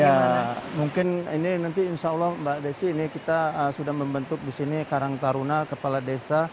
ya mungkin ini nanti insya allah mbak desi ini kita sudah membentuk di sini karang taruna kepala desa